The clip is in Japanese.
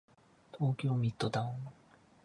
東京ミッドタウン